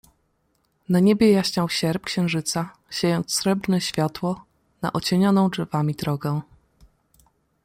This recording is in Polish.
"Na niebie jaśniał sierp księżyca, siejąc srebrne światło, na ocienioną drzewami drogę."